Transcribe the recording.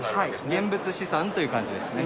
現物資産という形ですね。